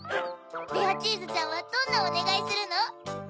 レアチーズちゃんはどんなおねがいするの？